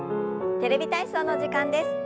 「テレビ体操」の時間です。